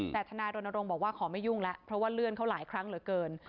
แต่ทนายรณรงค์บอกว่าขอไม่ยุ่งแล้วเพราะว่าเลื่อนเขาหลายครั้งเหลือเกิน